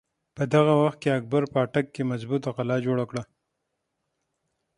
په دغه وخت کښې اکبر په اټک کښې مظبوطه قلا جوړه کړه۔